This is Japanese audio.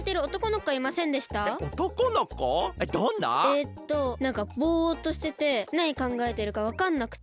えっとなんかぼっとしててなにかんがえてるかわかんなくて。